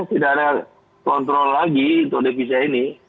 tidak ada kontrol lagi untuk devisa ini